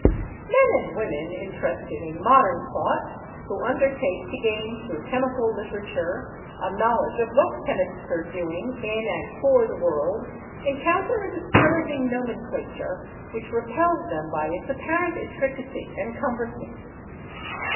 Men and women interested in modern thought who 2 CHEMISTRY undertake to gain through chemical literature a knowledge of what chemists are doing in and for the world encounter a discouraging nomenclature which repels them by its apparent intricacy and cumbrousness.